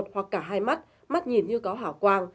hoặc cả hai mắt mắt nhìn như có hảo quang